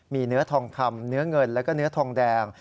มีเนื้อทองคำเนื้อเงินแล้วก็เนื้อทองแดง